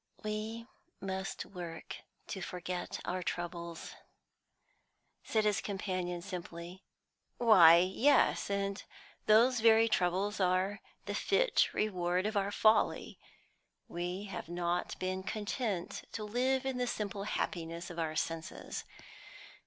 "We must work to forget our troubles," said his companion simply. "Why, yes, and those very troubles are the fit reward of our folly. We have not been content to live in the simple happiness of our senses.